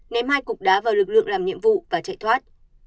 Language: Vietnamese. ném hai cục đá vào lực lượng làm nhiệm vụ và chạy thoát